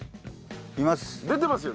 います。